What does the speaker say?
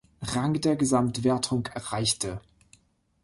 Rang der Gesamtwertung erreichte.